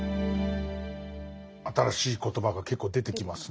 新しい言葉が結構出てきますね。